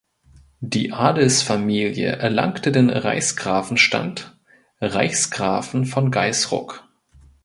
Die Adelsfamilie erlangte den Reichsgrafenstand (Reichsgrafen von Gaisruck).